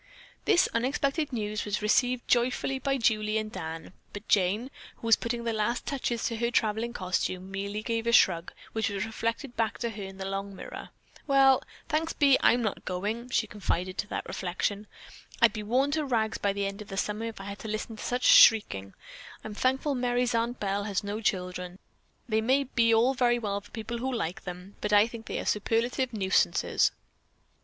This unexpected news was received joyfully by Julie and Dan, but Jane, who was putting the last touches to her traveling costume, merely gave a shrug, which was reflected back to her in the long mirror. "Well, thanks be, I'm not going," she confided to that reflection. "I'd be worn to rags by the end of the summer if I had to listen to such shrieking. I'm thankful Merry's Aunt Belle has no children. They may be all very well for people who like them, but I think they are superlative nuisances."